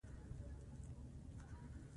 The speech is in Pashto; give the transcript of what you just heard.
د زلزلې په جریان کې څنګه ځان جوړ وساتو؟